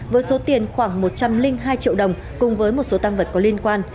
với số tiền khoảng một trăm linh hai triệu đồng cùng với một số tăng vật có liên quan